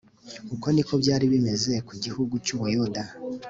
uko ni ko byari bimeze ku gihugu cy'ubuyuda